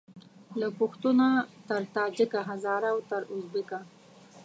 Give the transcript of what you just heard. له پښتونه تر تاجیکه هزاره او تر اوزبیکه